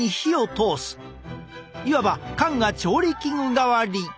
いわば缶が調理器具代わり。